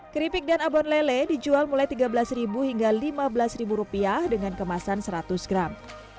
keripik dan abon lele dijual mulai tiga belas hingga lima belas rupiah dengan kemasan seratus gram